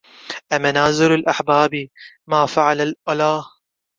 أمنازل الأحباب ما فعل الألى